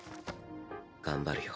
頑張るよ。